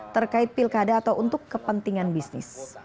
terkait pilkada atau untuk kepentingan bisnis